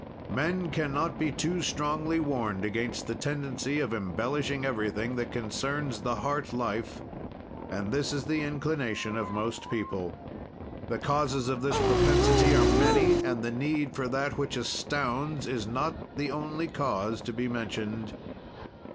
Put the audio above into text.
"Men can not be too strongly warned against the tendency of embellishing everything that concerns the heart life, and this is the inclination of most people. "The causes of this propensity are many and the need for that which astounds is not the only cause to be mentioned.